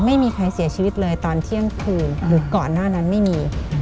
ไม่มีใครเสียชีวิตเลยตอนเที่ยงคืนหรือก่อนหน้านั้นไม่มี